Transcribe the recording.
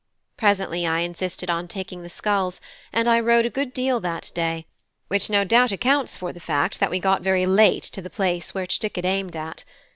Presently I insisted on taking the sculls, and I rowed a good deal that day; which no doubt accounts for the fact that we got very late to the place which Dick had aimed at.